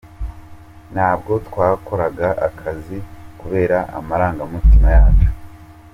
Ntabwo twakoraga akazi kubera amarangamutima yacu.